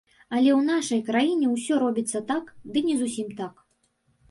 Але ў нашай краіне ўсё робіцца так, ды не зусім так.